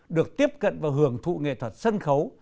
được tiếp cận và hưởng thụ nghệ thuật sân khấu